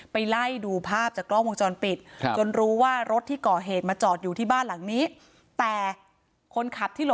ไปไล่ดูภาพจากกล้องวงจรปิดจนรู้ว่ารถที่ก่อเหตุมาจอดอยู่ที่บ้านหลังนี้แต่คนขับที่หล